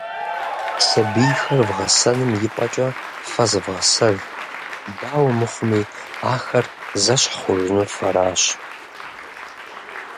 Сабийхэр вгъэсэным и пӏэкӏэ фэ зывгъэсэж, дауэ мыхъуми, ахэр зэщхь хъужынур фэращ.